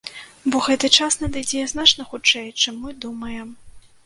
Бо гэты час надыдзе значна хутчэй, чым мы думаем.